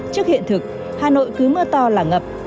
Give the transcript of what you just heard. trước hiện thực hà nội cứ mưa to là ngập